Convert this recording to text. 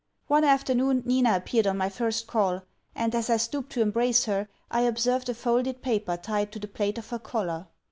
One afternoon Nina appeared on my first call; and, as I stooped to embrace her, I observed a folded paper tied to the plate of her collar.